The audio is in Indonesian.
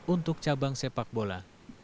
untuk cabang sepak bola